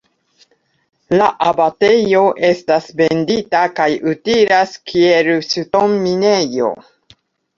La abatejo estas vendita kaj utilas kiel ŝtonminejo.